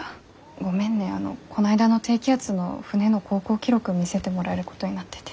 ごめんねこないだの低気圧の船の航行記録見せてもらえることになってて。